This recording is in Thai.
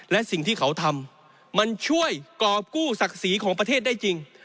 และสิ่งที่เขาทำมันช่วยกรอบกู้ศักดิ์ศรีของประเทศได้จริง